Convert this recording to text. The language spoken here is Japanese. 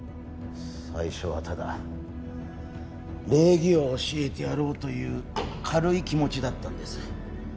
最初はただ礼儀を教えてやろうという軽い気持ちだったんです。